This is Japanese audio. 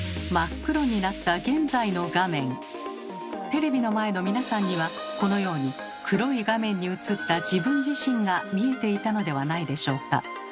テレビの前の皆さんにはこのように黒い画面に映った自分自身が見えていたのではないでしょうか。